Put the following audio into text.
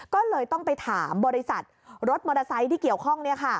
ก็เลยต้องไปถามบริษัทรถมอเตอร์ไซค์ที่เกี่ยวข้อง